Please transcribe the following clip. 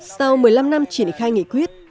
sau một mươi năm năm triển khai nghị quyết